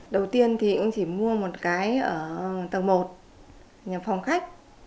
đầu tiên thì cũng chỉ mua một cái ở tầng một nhằm phòng khách